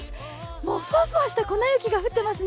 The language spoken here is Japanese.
もう、ふわふわした粉雪が降ってますね。